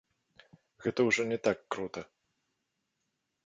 Гэта ўжо не так крута.